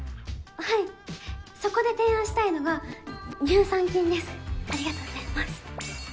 はいそこで提案したいのが乳酸菌ですありがとうございます